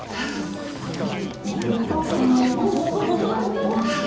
するとこのように足ができますよ。